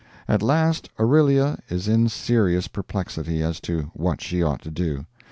At last Aurelia is in serious perplexity as to what she ought to do.